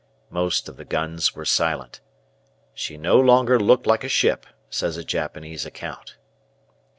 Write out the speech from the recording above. Most of the guns were silent. "She no longer looked like a ship," says a Japanese account.